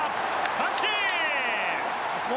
三振！